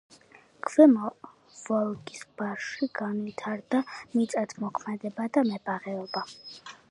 ქვემო ვოლგის ბარში განვითარდა მიწათმოქმედება და მებაღეობა.